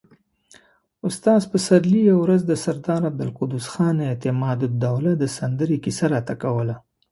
استاد پسرلي يوه ورځ د سردار عبدالقدوس خان اعتمادالدوله د سندرې کيسه راته کوله.